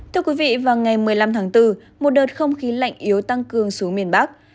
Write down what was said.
thưa quý vị vào ngày một mươi năm tháng bốn một đợt không khí lạnh yếu tăng cường xuống miền bắc